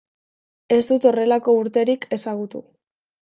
Ez dut horrelako urterik ezagutu.